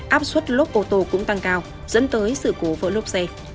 áp suất lốp ô tô cũng tăng cao dẫn tới sự cố vỡ lốp xe